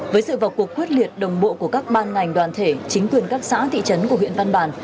với sự vào cuộc quyết liệt đồng bộ của các ban ngành đoàn thể chính quyền các xã thị trấn của huyện văn bàn